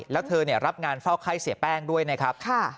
แล้วเธอรับงานเฝ้าไข้เสียแป้งด้วยนะครับ